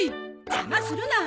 邪魔するな。